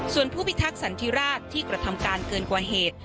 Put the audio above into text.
ส่วนผู้พิทักษันทิราชที่กระทำการเกินกว่าเหตุ